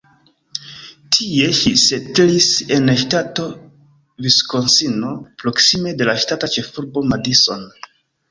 Tie ŝi setlis en ŝtato Viskonsino proksime de la ŝtata ĉefurbo Madison.